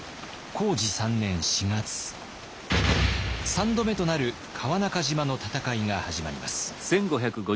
３度目となる川中島の戦いが始まります。